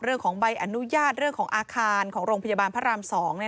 เรื่องของใบอนุญาตเรื่องของอาคารของโรงพยาบาลพระราม๒